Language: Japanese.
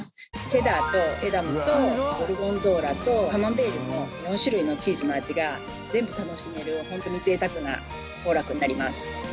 チェダーとエダムとゴルゴンゾーラとカマンベールの４種類のチーズの味が全部楽しめる本当にぜいたくな豊酪になります。